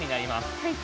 はい！